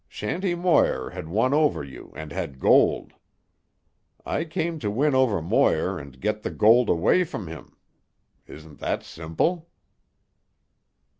Shanty Moir had won over you and had gold. I came to win over Moir and get the gold away from him. Isn't that simple?"